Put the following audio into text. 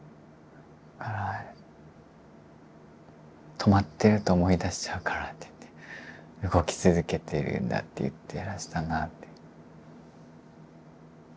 止まってると思い出しちゃうからって言って動き続けてるんだって言ってらしたなって。